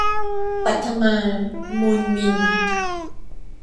ปัทมา มูลมิล